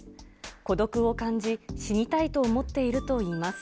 孤独を感じ、死にたいと思っているといいます。